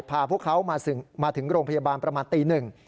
พาพวกเขามาถึงโรงพยาบาลประมาณตีหนึ่ง